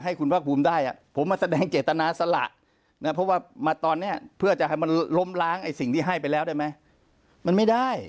ที่ห้างสักครั้งไอ้สิ่งที่ให้ไปแล้วได้มั้ยมันไม่ได้